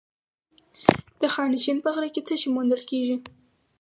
د خانشین په غره کې څه شی موندل کیږي؟